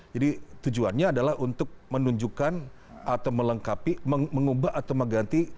jadi tujuannya adalah untuk menunjukkan atau melengkapi mengubah atau mengganti